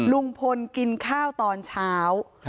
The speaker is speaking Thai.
ลุงพลกินข้าวตอนเช้า